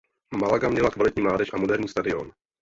Málaga měla kvalitní mládež a moderní stadión.